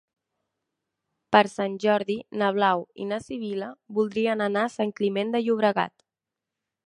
Per Sant Jordi na Blau i na Sibil·la voldrien anar a Sant Climent de Llobregat.